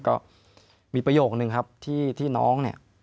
ก็มีประโยคนึงครับที่น้องเนี่ย